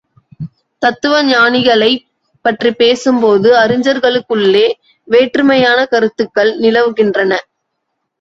தத்துவ ஞானிகளைப் பற்றிப்பேசும்போது அறிஞர்களுக்குள்ளே வேற்றுமையான கருத்துக்கள் நிலவுகின்றன.